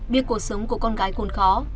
biết cuộc sống của con gái khôn khó